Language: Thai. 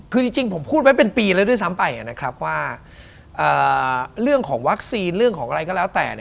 คือจริงผมพูดไว้เป็นปีแล้วด้วยซ้ำไปนะครับว่าเรื่องของวัคซีนเรื่องของอะไรก็แล้วแต่